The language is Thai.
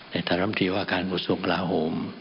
ในทะลำทีว่าการวุศวงษ์กลาฮม